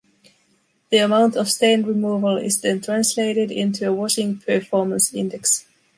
The amount of stain removal is then translated into a washing performance index.